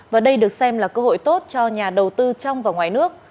và đây được xem là cơ hội tốt cho nhà đầu tư trong và ngoài nước